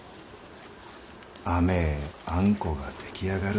甘えあんこが出来上がる。